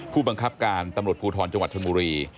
ผู้บังคับการตำรวจภูทรจังหวัดชนบุรี